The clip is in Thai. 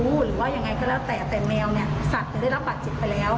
หรือว่ายังไงก็แล้วแต่แต่แมวเนี่ยสัตว์ได้รับบัตรเจ็บไปแล้ว